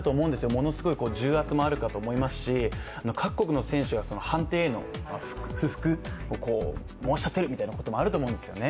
ものすごい重圧もあるかと思いますし、各国の選手が判定への不服を申し立てるみたいなこともあると思うんですよね。